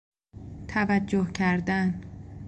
توجه کردن